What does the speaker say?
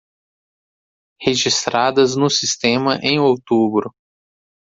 registradas no sistema em outubro.